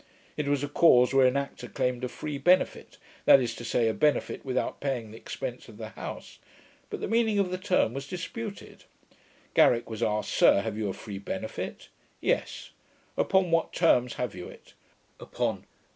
It was a cause where an actor claimed a free benefit; that is to say, a benefit without paying the expence of the house; but the meaning of the term was disputed. Garrick was asked, 'Sir, have you a free benefit?' 'Yes.' 'Upon what terms have you it?' 'Upon...